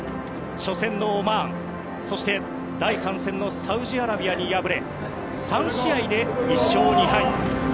初戦のオマーン、そして第３戦のサウジアラビアに敗れ３試合で１勝２敗。